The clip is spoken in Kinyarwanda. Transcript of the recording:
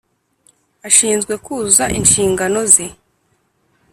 ashinzwe kuzuza inshingano ze